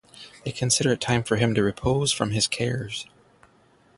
They consider it time for him to repose from his cares.